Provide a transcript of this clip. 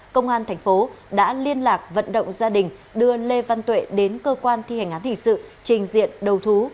công an thành phố đã liên lạc vận động gia đình đưa lê văn tuệ đến cơ quan thi hành án hình sự trình diện đầu thú